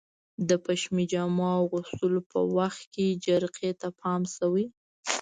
د پشمي جامو اغوستلو په وخت کې جرقې ته پام شوی؟